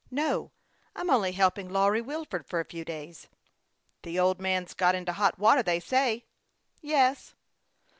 " No ; I'm only helping Lawry Wilford for a few days." "The old man's got into hot water, they say." " Yes."